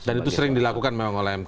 dan itu sering dilakukan memang oleh mk